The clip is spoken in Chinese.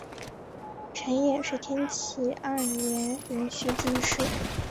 陈演是天启二年壬戌进士。